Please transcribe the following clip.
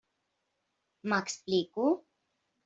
M'explico?